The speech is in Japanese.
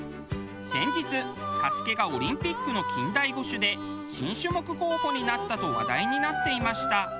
先日『ＳＡＳＵＫＥ』がオリンピックの近代五種で新種目候補になったと話題になっていました。